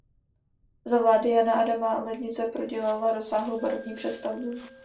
Za vlády Jana Adama Lednice prodělala rozsáhlou barokní přestavbou.